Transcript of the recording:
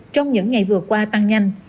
trong những ngày vừa qua tăng nhanh